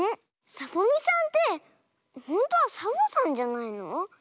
サボみさんってほんとはサボさんじゃないの？